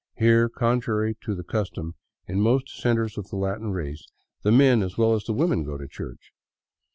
Here, contrary to the custom in most centers of the Latin race, the men as well as the women go to church.